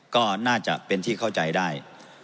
ก็น่าจะเป็นที่เข้าใจได้